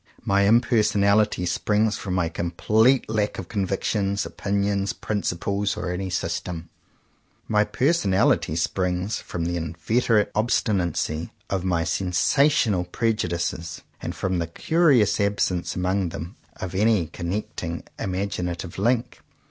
My impersonality springs from my com plete lack of convictions, opinions, prin ciples, or any system. My personality springs from the inveterate obstinacy of 24 JOHN COWPER POWYS my sensational prejudices, and from the curious absence among them of any con necting imaginative hnk.